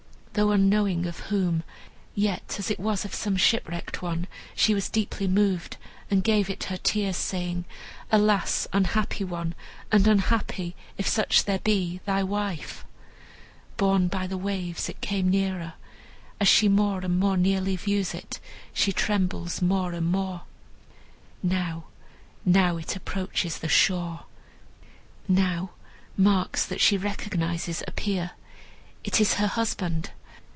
Though unknowing of whom, yet, as it was of some shipwrecked one, she was deeply moved, and gave it her tears, saying, "Alas! unhappy one, and unhappy, if such there be, thy wife!" Borne by the waves, it came nearer. As she more and more nearly views it, she trembles more and more. Now, now it approaches the shore. Now marks that she recognizes appear. It is her husband!